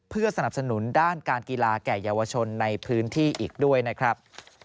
เพื่อสนับสนุนด้านการกีฬาแก่เยาวชนในพื้นที่อีกด้วยนะครับ